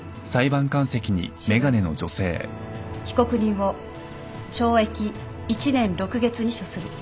主文被告人を懲役１年６月に処する。